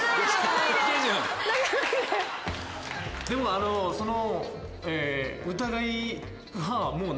でもその。